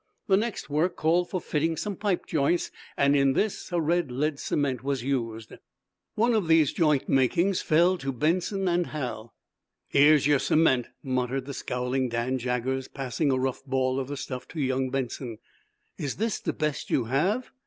The next work called for fitting some pipe joints, and in this a red lead cement was used. One of these joint makings fell to Benson and Hal. "Here's yer cement," muttered the scowling Dan Jaggers, passing a rough ball of the stuff to young Benson. "Is this the best you have?"